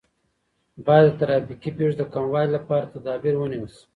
باید د ترافیکي پیښو د کموالي لپاره تدابیر ونیول سي.